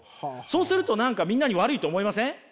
そうすると何かみんなに悪いと思いません？